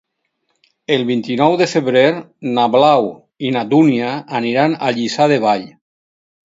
El vint-i-nou de febrer na Blau i na Dúnia aniran a Lliçà de Vall.